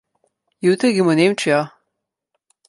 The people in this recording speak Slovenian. Jutri grem v Nemčijo.